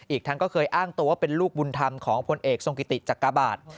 อีกทั้งก็เคยอ้างตัวว่าเป็นลูกบุญธรรมของพลเอกทรงกิติจักรบาท